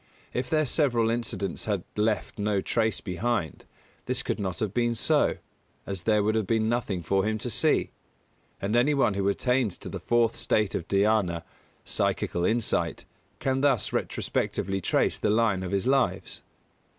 If their several incidents had left no trace behind, this could not have been so, as there would have been nothing for him to see. And any one who attains to the fourth state of Dhyāna (psychical insight) can thus retrospectively trace the line of his lives.